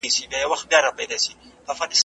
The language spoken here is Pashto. او نور به پرته له ګدايۍ کولو `